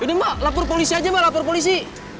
ini mbak lapor polisi aja mbak lapor polisi